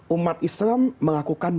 umat islam melakukan